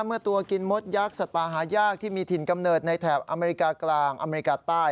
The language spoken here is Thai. เมื่อตัวกินมดยักษ์สัตว์ป่าหายากที่มีถิ่นกำเนิดในแถบอเมริกากลางอเมริกาใต้